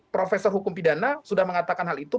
profesor hukum pidana sudah mengatakan hal itu